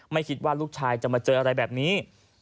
ไม่คิดว่าลูกชายจะมาเจออะไรแบบนี้